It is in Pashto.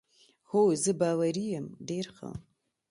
هو، زه باوري یم، ډېر ښه.